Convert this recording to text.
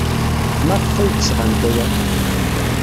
Maɣef ay d-sɣant aya?